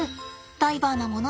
ダイバーなもので。